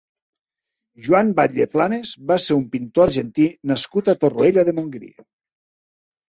Juan Batlle Planas va ser un pintor argentí nascut a Torroella de Montgrí.